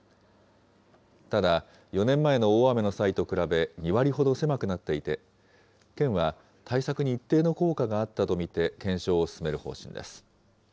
ただ、４年前の大雨の際と比べ２割ほど狭くなっていて、県は対策に一定の効果があったと見て、検証を進める方針です。